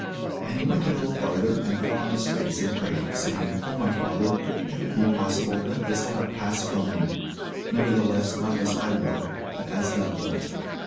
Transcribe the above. And he went a little farther, and fell on his face, and prayed, saying, O my Father, if it be possible, let this cup pass from me: nevertheless not as I will, but as thou wilt.